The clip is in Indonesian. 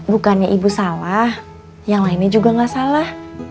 bukannya ibu salah yang lainnya juga nggak salah